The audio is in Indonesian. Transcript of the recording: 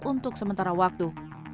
untuk sementara waktu